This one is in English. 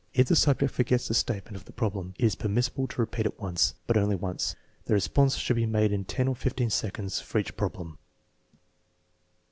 If the subject forgets the state ment of the problem, it is permissible to repeat it once, but only once. The response should be made in ten or fifteen seconds for each problem.